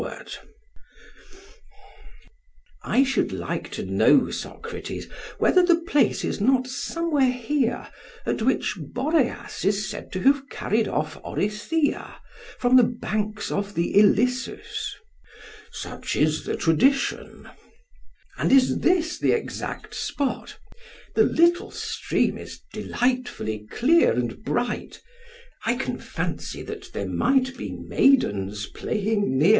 PHAEDRUS: I should like to know, Socrates, whether the place is not somewhere here at which Boreas is said to have carried off Orithyia from the banks of the Ilissus? SOCRATES: Such is the tradition. PHAEDRUS: And is this the exact spot? The little stream is delightfully clear and bright; I can fancy that there might be maidens playing near.